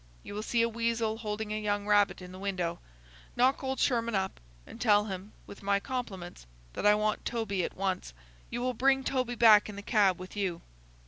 You will see a weasel holding a young rabbit in the window. Knock old Sherman up, and tell him, with my compliments, that I want Toby at once. You will bring Toby back in the cab with you."